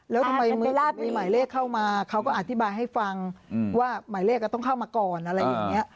แล้วทำไมมีหมายเลขเข้ามาเขาก็อธิบายให้ฟังว่าหมายเลขต้องเข้ามาก่อนอะไรอย่างนี้